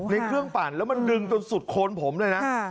ในเครื่องปั่นแล้วมันดึงจนสุดโคนผมเลยนะ